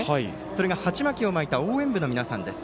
それが鉢巻きを巻いた応援部の皆さんです。